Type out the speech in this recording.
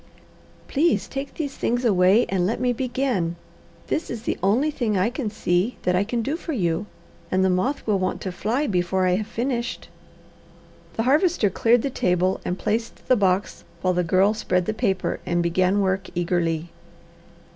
"Please take these things away and let me begin. This is the only thing I can see that I can do for you, and the moth will want to fly before I have finished." The Harvester cleared the table and placed the box, while the Girl spread the paper and began work eagerly.